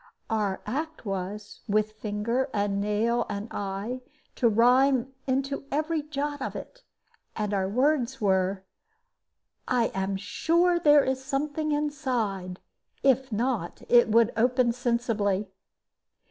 Our act was, with finger and nail and eye, to rime into every jot of it; and our words were, "I am sure there is something inside. If not, it would open sensibly."